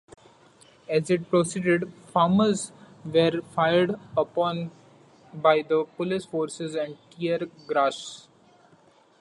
As it proceeded, farmers were fired upon by the police forces and tear gassed.